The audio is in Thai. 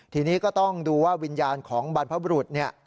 ทีนี้ก็ต้องดูว่าวิญญาณของบรรพบรุษเนี่ย